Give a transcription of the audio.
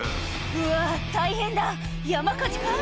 うわ大変だ山火事か？